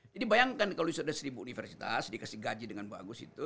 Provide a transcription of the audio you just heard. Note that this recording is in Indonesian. jadi bayangkan kalau sudah seribu universitas dikasih gaji dengan bagus itu